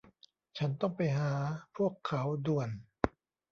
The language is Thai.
ฉันต้องไปหาพวกเขาด่วน